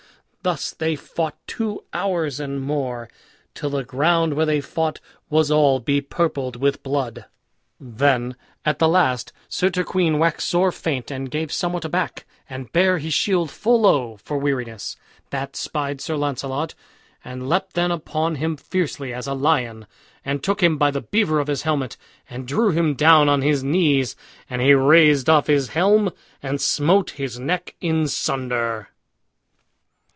Thus they fought two hours and more, till the ground where they fought was all bepurpled with blood. Then at the last Sir Turquine waxed sore faint, and gave somewhat aback, and bare his shield full low for weariness. That spied Sir Launcelot, and leapt then upon him fiercely as a lion, and took him by the beaver of his helmet, and drew him down on his knees. And he raised off his helm, and smote his neck in sunder.